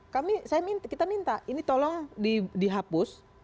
kami saya minta kita minta ini tolong dihapus